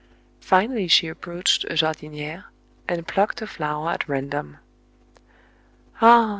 Finally she approached 2,jardinièrey and plucked a flower at random. "Ah!"